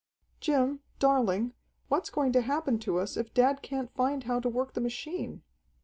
"Jim, darling, what's going to happen to us if dad can't find how to work the machine?"